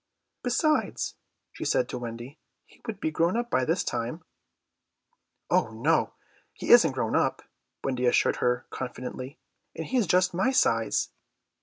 "Besides," she said to Wendy, "he would be grown up by this time." "Oh no, he isn't grown up," Wendy assured her confidently, "and he is just my size."